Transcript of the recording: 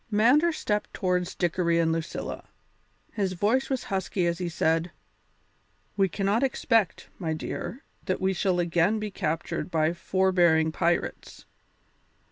Mander stepped towards Dickory and Lucilla; his voice was husky as he said: "We cannot expect, my dear, that we shall again be captured by forbearing pirates.